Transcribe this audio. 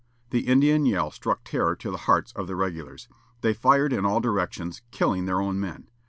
The Indian yell struck terror to the hearts of the regulars. They fired in all directions, killing their own men.